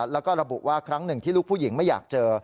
แล้วก็ระบุว่าครั้งหนึ่งที่ลูกผู้หญิงไม่อยากเจอ